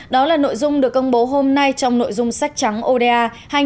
đó là nội dung được công bố hôm nay trong nội dung sách trắng oda hai nghìn hai mươi